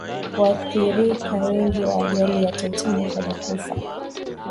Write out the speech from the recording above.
waathirika wengi wa ajali ya titanic walikufa